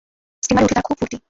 স্টিমারে উঠে তার খুব ফূর্তি।